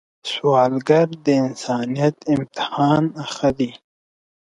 سوالګر د انسانیت امتحان اخلي